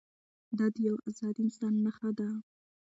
دا د یوه ازاد انسان نښه ده.